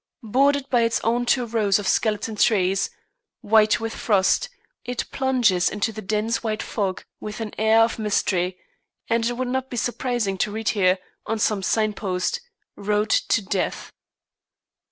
Bordered by its two rows of skeleton trees, white with frost, it plunges into the dense white fog with an air of mystery, and it would not be surprising to read here, on some signpost, "Road to Death."